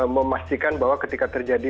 memastikan bahwa ketika terjadi